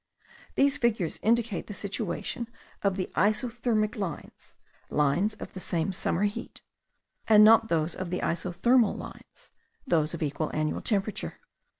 These figures indicate the situation of the isotheric lines (lines of the same summer heat), and not that of the isothermal lines (those of equal annual temperature).